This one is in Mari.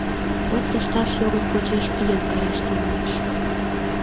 Вот лышташ йогын почеш ийын каяш тӱҥалеш.